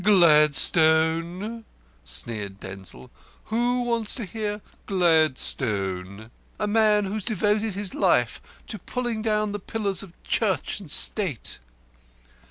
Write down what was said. "Gladstone!" sneered Denzil. "Who wants to hear Gladstone? A man who's devoted his life to pulling down the pillars of Church and State."